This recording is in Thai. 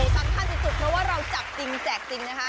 สำคัญสุดเพราะว่าเราจับจริงแจกจริงนะคะ